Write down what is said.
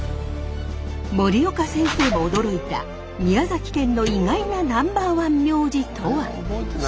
森岡先生も驚いた宮崎県の意外なナンバー１名字とは？